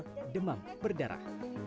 dan juga demam berdarah